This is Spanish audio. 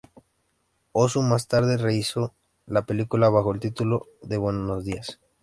Ozu más tarde rehízo la película bajo el título de "Buenos días".